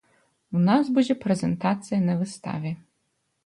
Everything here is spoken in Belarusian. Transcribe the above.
У нас будзе прэзентацыя на выставе.